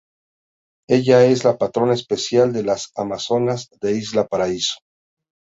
Ella es la patrona especial de las Amazonas de Isla Paraíso.